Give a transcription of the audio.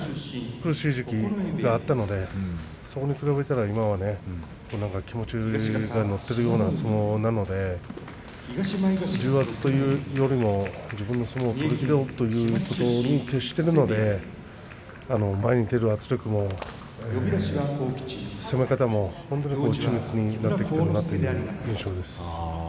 苦しい時期があったのでそこに比べたら今は気持ちが乗っているような相撲なので重圧というよりも自分の相撲を取り切ろうということに徹しているので前に出る圧力も攻め方も緻密になってきているなという印象です。